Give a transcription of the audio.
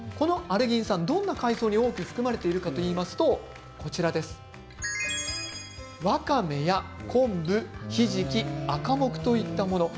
どんな海藻に多く含まれているかといいますとわかめや昆布、ひじき、アカモクといったもの。